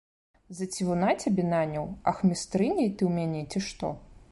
За цівуна цябе наняў, ахмістрыняй ты ў мяне, ці што?